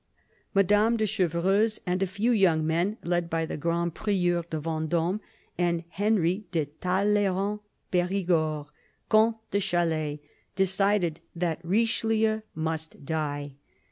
Madame de Chevreuse and THE CARDINAL 167 a few young men, led by the Grand Prieur de Vendome and Henry de Talleyrand Perigord, Comte de Chalais, decided that Richelieu must die.